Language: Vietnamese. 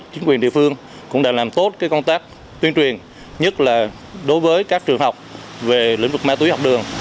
chính quyền địa phương cũng đã làm tốt công tác tuyên truyền nhất là đối với các trường học về lĩnh vực ma túy học đường